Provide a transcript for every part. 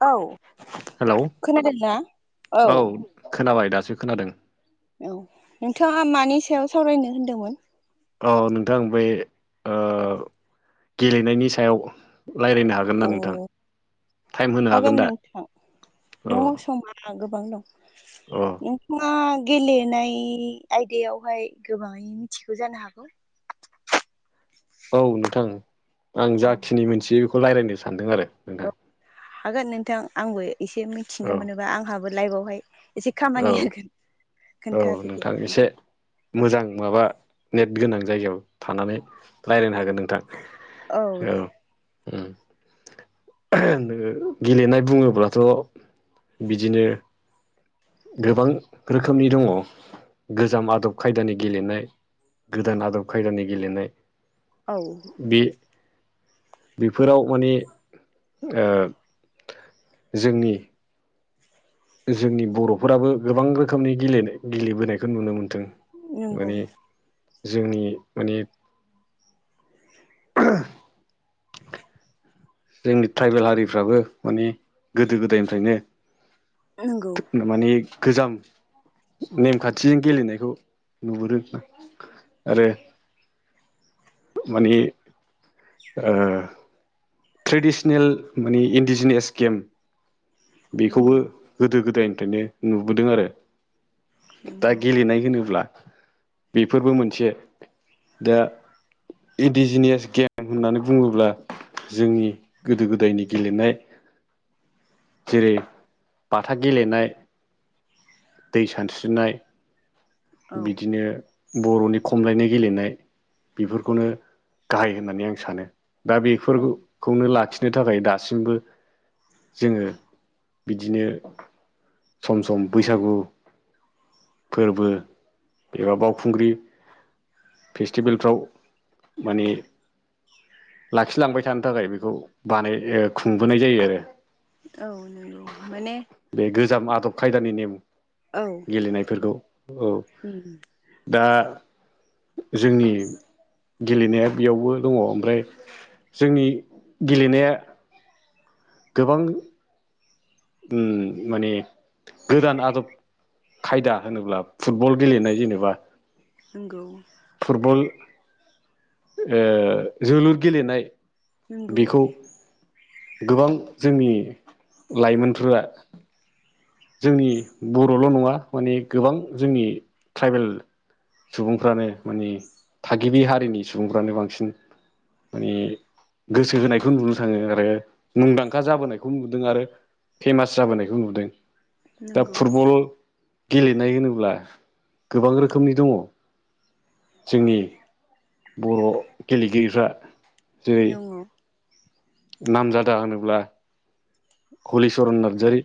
औ हेलौ खोनादोंना औ खोनाबाय दासो खोनादों औ नोंथांङा मानि सायाव सावरायनो होनदोंमोन? औ नोंथां बै ओ गेलेनायनि सायाव रायलायनो हागोन ना अ नोंथां? टाइम होनो हागोन दा? औ आंहा गोबां दं अ नोंथांङा गेलेनाय आयदायावहाय गोबांङै मिथिगौ जानो हागौ औ नोंथां आं औ जाखिनि मोनथियो बेखौ रायलायनो सानदों आरो नोंथां औ हागोन नोंथां आंबो एसे मिथिनो औ मोनोबा आंहाबो लाइफआवहाय एसे खामानि औ होगोन औ खोन्थादो दे एसे नोंथां मोजां माबा नेट गोनां जायगायाव थानानै रायलायनो हागोन नोंथां औ उम नोंङो गेलेनाय बुंङोब्लाथ' बिदिनो गोबां रोखोमनि दंङो गोजाम आदब खायदानि गेलेनाय गोदान आदब खायदानि गेलेनाय औ बे बेफोराव माने ओ जोंनि जोंनि बर'फोराबो गोबां रोखोमनि गेलेनाय गेलेबोनायखौ नुनो मोन्थों नंगौ माने जोंनि माने जोंनि ट्राइबेल हारिफ्राबो माने गोदो गोदायनिफ्रायनो नंगौ माने गोजाम नेमखान्थिजों गेलेनायखौ नुहुरो आरो माने ओ ट्रेडिसनेल माने इन्डिजिनियास गेम बेखौबो नंगौ गोदो गोदायनिफ्रायनो नुबोदों आरो दा नंगौ गेलेनाय होनोब्ला बेफोरबो मोनसे दा इन्दिजिनियास गेम होननानै बुंङोब्ला जोंनि गोदो गोदायनि गेलेनाय जेरै बाथा गेलेनाय दै सानस्रिनाय औ बिदिनो बर'नि खमलायनाय गेलेनाय बेफोरखौनो गाहाय होननानै आं सानो दा बेफोर औ खौनो लाखिनो थाखाय दासिमबो जोंङो बिदिनो सम सम बैसागु फोरबो एबा बावखुंग्रि फेस्टिभेलफ्राव माने लाखिलांबाय थानो थाखाय बेखौ बानाय खुंबोनाय जायो आरो औ नोंगौ बे गोजाम आदब खायदानि नेम औ गेलेनायफोरखौ औ उम दा जोंनि गेलेनाया बेयावबो दंङो ओमफ्राय जोंनि गेलेनाया गोबां उम माने गोदान आदब खायदा होनोब्ला फुटबल गेलेनाय जेनेबा नंगौ फुटबल जोलुर गेलेनाय नंगौ बेखौ गोबां जोंनि लाइमोनफोरा जोंनि बर'ल' नङा माने गोबां जोंनि ट्राइबेल सुबुंफ्रानो माने थागिबि हारिनि सुबुंफ्रानो बांसिन माने गोसो होनायखौ नुनो थाङो आरो मुंदांखा जाबोनायखौ नुदों आरो फेमास जाबोनायखौ नुदों दा नंगौ फुटबल गेलेनाय होनोब्ला गोबां रोखोमनि दङ जोंनि बर' गेलेगिरिफ्रा नंगौ नाम जादा होनोब्ला हलिचरन नार्जारि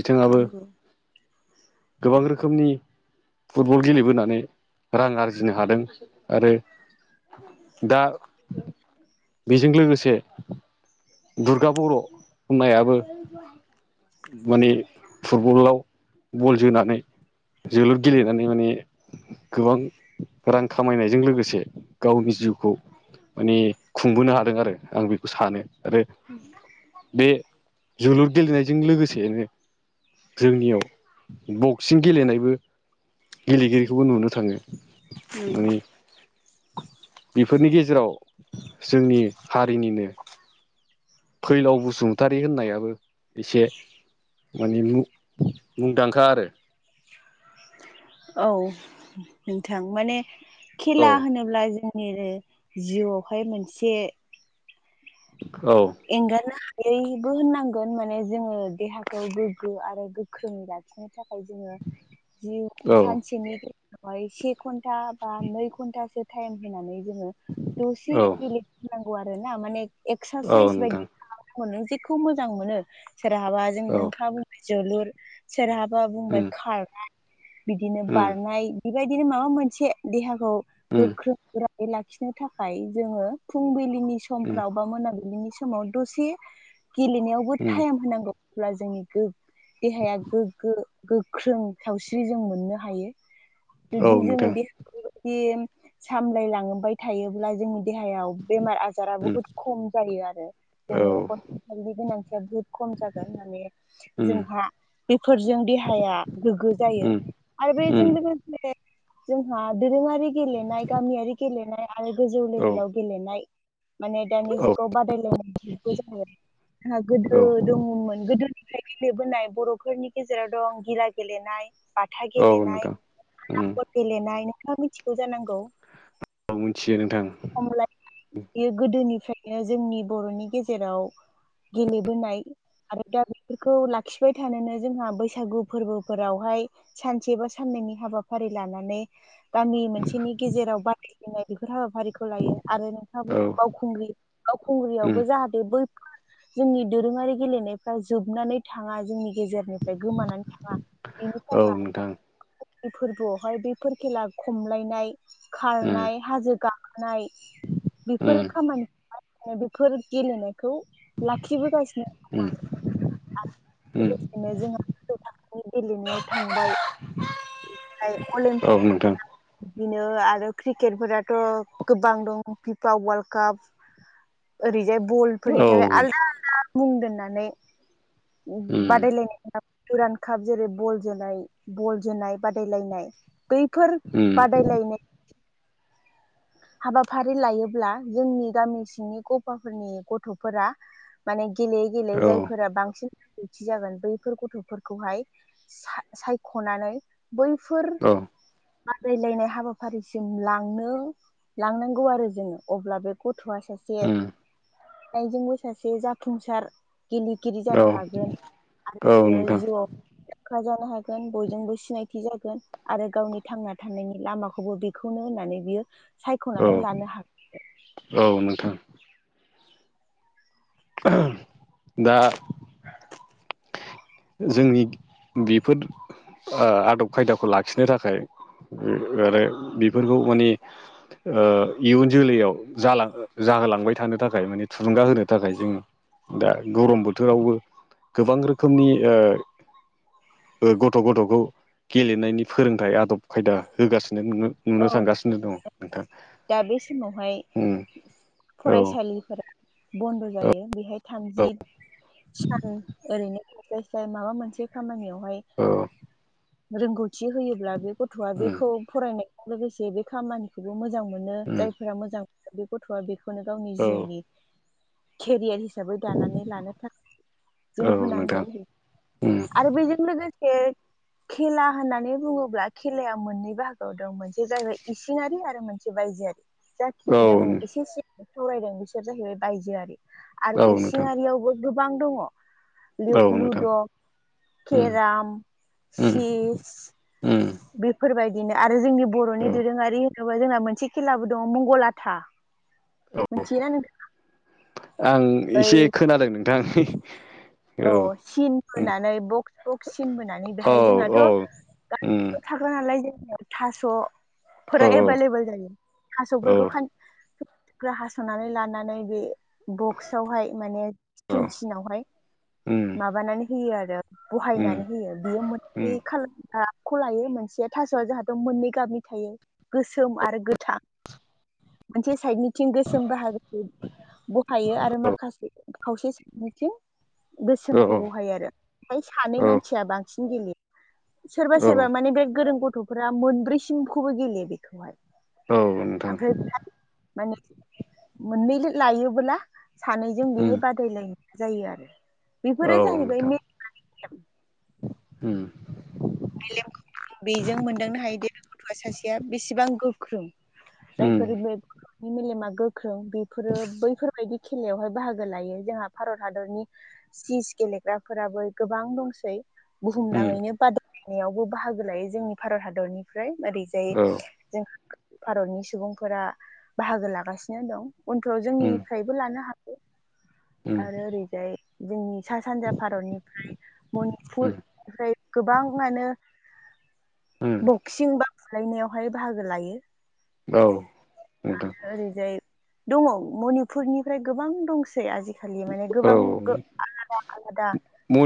बिथाङाबो नंगौ गोबां रोखोमनि फुटबल गेलेबोनानै रां आरजिनो हादों आरो दा बेजों लोगोसे दुर्गा बर' होननायाबो माने फुटबलाव बल जोनानै जोलुर गेलेनानै माने गोबां रां खामायनायजों लोगोसे गावनि जिउखौ माने खुंबोनो हादों आरो आं बेखौ सानो आरो बे जोलुर गेलेनायजों लोगोसेनो जोंनियाव बक्सिं गेलेनायबो गेलेगिरिखौबो नुनो थाङो नंगौ माने बेफोरनि गेजेराव जोंनि हारिनिनो फैलाव बसुमतारि होननायाबो एसे माने मुंदांखा आरो औ नोंथां माने औ खेला होनोब ब्ला जोंनि जिउआवहाय मोनसे औ एंगारनो हायैबो होननांगोन माने जोङो देहाखौ गोग्गो आरो गोख्रोंङै ला लाखिनो थाखाय जोङो जि औ सानसेनि से घन्टा बा नै घन्टासो टाइम होनानै जोङो दसे औ गेले नंगौ आरो ना माने औ एक्सारसाइस नोंथां बायदि नो जेखौ मोजां मोनो सोरहाबा जों औ नोंथाङा बुंबाय जोलुर सोरहाबा बुंबाय उम खारनाय बिदिनो उम बारनाय बेबायदिनो माबा मोनसे देहाखौ उम गोख्रों लाखिनो थाखाय जोङो फुंबिलिनि उम समफ्राव बा मोनाबिलिनि समाव दसे गेलेनायावबो उम टाइम होनांगौ अब्ला जोंनि गो देहाया गोगो गोख्रों सावस्रि जों मोननो हायो। औ जुदि जोङो नोंथां देहाखौदि सामलाय लाङो बाय थायोब्ला जोंनि देहायाव बेमार आजारा उम बुहुत खम जायो आरो औ जोंनो। हस्पिटालनि गोनांथिया बुहुत खम जागोन माने उम जोंहा बेफोरजों देहाया गोग्गो जायो। उम आरो बेजों उम लोगोसे जोंहा दोरोङारि गेलेनाय गामियारि गेलेनाय आरो गोजौ औ लेभेलाव गेलेनाय माने दानि औ जुगाव बादायलायनायबो जोंहा गोदो औ दङमोन। गोदोनिफ्राय गेलेबोनाय बर'फोरनि गेजेराव दं गिला गेलेनाय बाथा औ गेलेनाय नोंथां उम आबल गेलेनाय नोंथाङा मिथिगौ जानांगौ। औ मिथियो नोंथां। खमल बेयो गोदोनिफ्रायनो जोंनि बर'नि गेजेराव। गेलेबोनाय आरो दा बेफोरखौ लाखिबाय थानोनो जोंहा बैसागु फोरबोफोरावहाय सानसे बा साननैनि हाबाफारि लानानै गामि मोनसेनि गेजेराव बादायलायनाय बेफोर हाबाफारिखौ लायो आरो नोंथाङा औ बा बावखुंग्रि उम खुंग्रियावबो जाहाथे बै जोंनि दोरोङारि गेलेनायफ्रा जोबनानै थाङा जोंनि गेजेराव निफ्राय गोमानानै थाङा बेनि औ थाखाय। नोंथां नि फोरबोआवहाय बेैफोर खेला खमलायनाय उम खारनाय हाजो गाख नाय बेफोर उम खामानि बेफोर गेलेनायखौ लाखिबोगासिनो दङ आरो। आरो उम उम लोगोसेनो जोंहा थाखोनि गेलेनायाव थांबाय। औ नोंथां बिदिनो आरो क्रिकेटफोराथ' गोबां दं फिफा वर्ल्ड काप ओरैजाय बलफोरनि औ थाखाय उम आलादा आलादा बुं दोननानै उम बादायलायनाय गुरान काप जेरै बल जोनाय बल जोनाय बादायलायनाय बैफोर बादायलायनाय हाबाफारि लायोब्ला जोंनि गामि सिंनि गफाफोरनि गथ'फोरा। माने गेलेयै औ गेलेयै जायफोरा बांसिन थि जागोन बैफोर गथ'फोरखौहाय सायख'नानै बैफोर औ बादायलायनाय हाबाफारिसिम लांनो। लांनांगौ आरो जोङो अब्ला बे गथ'आ सासे। उम नायजोंबो सासे जाफुंसार गेले गिरि औ जानो हागोन आरो औ बियो नोंथां जिउआव रोखा जानो हागोन बयजोंबो सिनायथि जागोन। आरो गावनि थांना थानायनि लामाखौबो बेखौनो होननानै बियो औ सायख'नानै लानो हागोन औ नोंथां। दा जोंनि बेफोर ओ आदब खायदाखौ लाखिनो थाखाय आरो बेफोरखौ माने ओ इयुन जोलैयाव जालां जाहोलांबाय थानो थाखाय माने थुलुंगा होनो थाखाय जोङो। दा गरम बोथोरावबो गोबां रोखोमनि ओ ओ गथ' गथ'खौ गेलेनायनि फोरोंथाइ आदब खायदा होगासिनो नोङो औ दा बे समावहाय उम औ फरायसालिफोरा बन्द' जायो बेहाय औ थामजि सान ओरैनो थास्लाय स्लाय माबा मोनसे खामानियावहाय। रोंगौथि होयोब्ला बे गथ'आ उम बेखौ फरायनायजों लोगोसे बे खामानि खौबो मोजां मोनो उम जायफोरा मोजां बे गथ'आ बेखौनो गावनि औ जिउनि केरियार हिसाबै दानानै लानो थाखाय जों औ नोंथां होनांगौ। उम आरो बैजों लोगो ओ खेला होननानै बुङोब्ला खेलाया मोननै बाहागोआव दं मोन बे जाहैबाय इसिङारि आरो मोनसे बायजोआरि जाखिनि औ दों एसे एसे सावरायदों बिसोर जाहैबाय बायजोआरि आरो औ नोंथां इसिंआरि आवबो गोबां दङ। औ लु-लुद' नोंथां उम केराम उम चीस उम बेफोरबायदिनो आरो जोंनि औ बर'नि दोरोङारि होनोबा जोंना मोनसे खेलाबो दङ मंगलाथा औ मिथियोना नों आं एसे ओइ खोनादों नोंथां। औ सिन उम बोनानै बक्स बक्स सिन बोनानै औ बेहाय जोंहाथ' औ ग उम थाग्रा नालाय जोङो औ थास'फोरा एभलेबोल जायो औ थास'फोरखौ। थुख्रा हास'नानै लानानै बे बक्सवहाय माने सिन सिनावहाय। ओम माबानानै होयो आरो बहायनानै होयो बियो। बे उम खालार गाबखौ लायो मोनसेया थास'आ जाहाथ' मोननै गाबनि थायो। गोसोम आरो गोथां मोनसे साइदनि थिं गोसोम बाहागोखौ बहायो आरो औ माखासे खावसे बिथिं गोसोमखौ औ बहायो आरो ओमफाय सानै औ मानसिया बांसिन गेले सोरबा औ सोरबा माने बे गोरों गथ'फ्रा मोनब्रैसिमखौबो गेलेयो बेखौहाय। औ नोंथां आमफ्राय माने मोननै लायोबोला सानैजों उम बेहाय बादायलायनाय जायो आरो। औ बिफोरो जाहैबाय [inaudible] नोंथां उम मेलेमखौ बेजों मोनदांनो हायो दे बे गथ'वा सासेया बेसेबां गोख्रों उम जायफोरो बे नि मेलेमा गोख्रों बिफोरो बैफोरबायदि खेलायावहाय बाहागो लायो जोंहा भारत हादरनि चीज गेलेग्राफोराबो गोबां दंसै। उम बुहुमनाङैनो बादायलायनायावबो बाहागो लायो जोंनि भारत हादरनिफ्राय ओरैजाय औ जोंहा भारतनि सुबुंफोरा बाहागो लागासिनो दं। उनफ्राव उम जोंनिफ्रायबो लानो हागौ उम आरो ओरैजाय जोंनि सा सानजा भारतनिफ्राय मनिपुर उम फ्राय गोबाङानो उम बक्सिं बा बुलायनायावहाय बाहागो लायो। औ नोंथां। ओरैजाय दङ मनिपुरनिफ्राय गोबां दंसै आजिखालि माने औ गोबां गो आलादा आलादा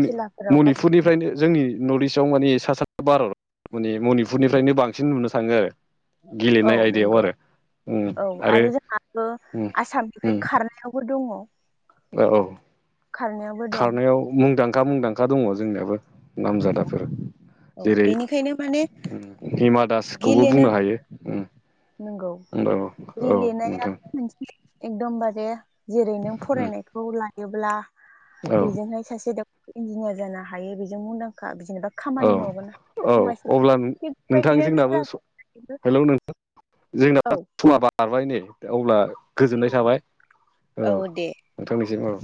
खेलाफोरावहाय पुरनिफ्रायनो जोंनि नर्थ इस्टआव माने सा सा भारत माने मनिपुरनिफ्रायनो बांसिन नुनो थाङो आरो औ गेलेनाय आयदायाव नंगौ आरो औ आरो जोंहाबो उम आसामनिफ्राय उम खारनायावबो दङ औ औ खारनायावबो दं खारनायाव मुंदांखा मुंदांखा दङ जोंनियाबो नामजादाफोर औ जेरै बेनिखायनो माने हिमा दासखौबो गेलेनो बुंनो हायो नंगौ उम औ औ गेलेनाया नोंथां एकदमबारे जेरै नों उम फरायनायखौ लायोब्ला औ बिजोंहाय सासे डक्टर इन्जिनियार जानो हायो बेजों मुंदांखा जेनेबा औ खामानि मावगोन [inaudible] औ समाजनि अब्ला थिग नोंथां बेबायदिनो जोंनाबो खेला [unintelligible] हेलौ नोंथां जोंना औ समा बारबाय नेै अब्ला गोजोननाय थाबाय औ नोंथांनिसिम औ